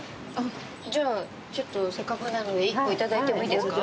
じゃあ、ちょっとせっかくなので１個いただいてもいいですか。